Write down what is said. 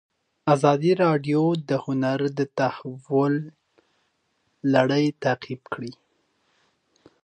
ازادي راډیو د هنر د تحول لړۍ تعقیب کړې.